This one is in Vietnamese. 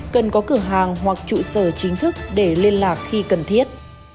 cần có cửa hàng hoặc trụ sở chính thức để liên lạc khi cần thiết